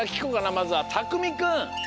まずはたくみくん。